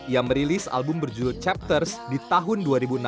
ia merilis album berjudul chapters di tahun dua ribu enam belas